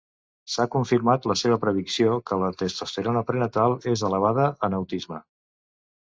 S'ha confirmat la seva predicció que la testosterona prenatal és elevada en autisme.